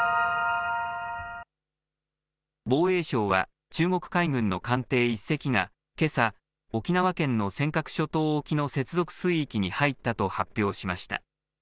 防衛省は中国海軍の艦艇１隻がけさ、沖縄県の尖閣諸島沖の接続水域に入ったと発表しました。